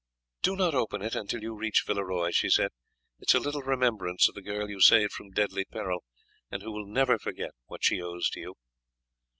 "Do not open it until you reach Villeroy," she said; "it is a little remembrance of the girl you saved from deadly peril, and who will never forget what she owes to you."